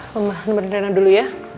pembahasan bernama dulu ya